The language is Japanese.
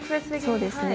そうですね。